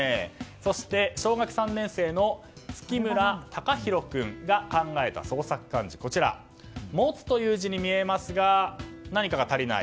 そして小学３年生のツキムラ・タカヒロ君が考えた創作漢字「持」という字に見えますが何かが足りない。